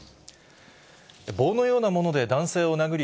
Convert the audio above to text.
棒のようなもので男性を殴り